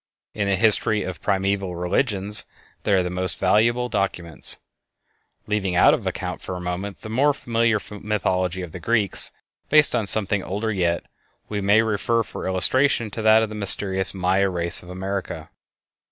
In the history of primeval religions they are the most valuable of documents. Leaving out of account for the moment the more familiar mythology of the Greeks, based on something older yet, we may refer for illustration to that of the mysterious Maya race of America.